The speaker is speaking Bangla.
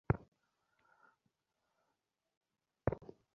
হাতির বাজার থেকে যে-কেরায়া নৌকা নিলাম সেনৌকাও এখন ডোবে তখন ডোবে অবস্থা।